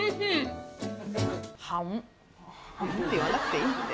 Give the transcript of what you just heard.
「はむ」って言わなくていいって。